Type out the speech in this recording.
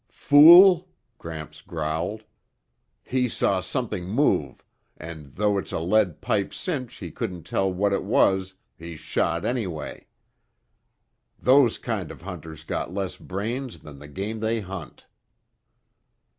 "Fool!" Gramps growled. "He saw something move and, though it's a lead pipe cinch he couldn't tell what it was, he shot anyway. Those kind of hunters got less brains than the game they hunt."